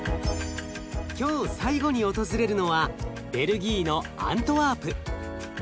今日最後に訪れるのはベルギーのアントワープ。